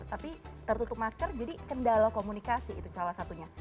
tapi tertutup masker jadi kendala komunikasi itu salah satunya